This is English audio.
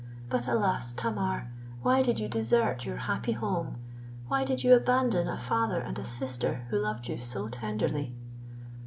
But, alas! Tamar, why did you desert your happy home? why did you abandon a father and a sister who loved you so tenderly?"